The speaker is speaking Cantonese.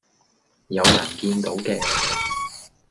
有人見到嘅